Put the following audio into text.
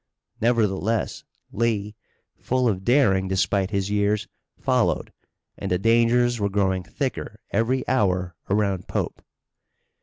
Nevertheless Lee, full of daring despite his years, followed, and the dangers were growing thicker every hour around Pope.